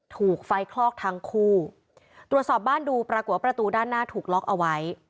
ถูกไฟคลอกทั้งคู่ตรวจสอบบ้านดูปรากฏว่าประตูด้านหน้าถูกล็อกเอาไว้